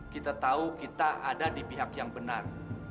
kita tahu kita ada di pihak yang benar